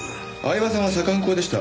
饗庭さんは左官工でした。